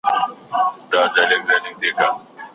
د اوبو کمښت بدن کمزوری کوي.